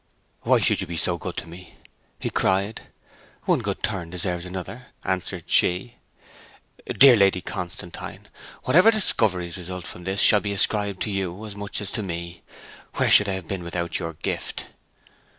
'Why should you be so good to me?' he cried. 'One good turn deserves another,' answered she. 'Dear Lady Constantine! Whatever discoveries result from this shall be ascribed to you as much as to me. Where should I have been without your gift?'